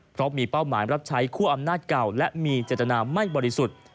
เพราะมีเป้าหมายรับใช้คั่วอำนาจเก่าและมีเจตนาไม่บริสุทธิ์